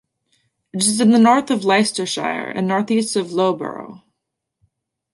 It is in the north of Leicestershire, and north-east of Loughborough.